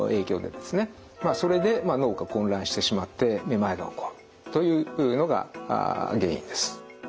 まあそれで脳が混乱してしまってめまいが起こるというのが原因です。